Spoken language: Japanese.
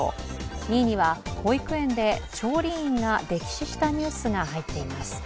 ２位には保育園で調理員が溺死したニュースが入っています。